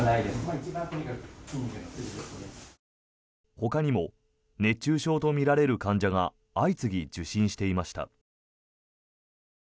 ほかにも熱中症とみられる患者が相次ぎ受診していました。